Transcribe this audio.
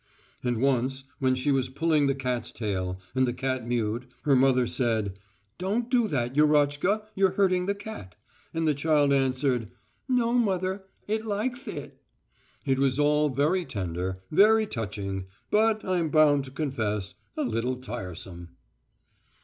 And once, when she was pulling the cat's tail, and the cat mewed, her mother said, "Don't do that, Yurochka, you're hurting the cat," and the child answered, "No, mother, it liketh it." It was all very tender, very touching, but, I'm bound to confess, a little tiresome.